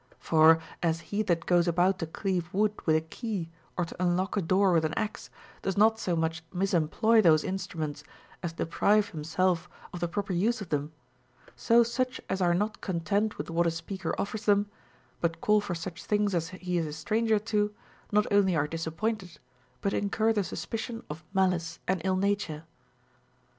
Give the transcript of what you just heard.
For, as he that goes about to cleave wood with a key or to unlock a door with an axe does not so much mis employ those instruments as deprive himself of the proper use of them, so such as are not content with Avhat a speaker offers them, but call for such things as he is a stranger to, not only are disappointed, but incur the suspicion of malirf» and ill nature.